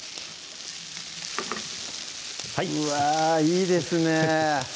はいうわいいですね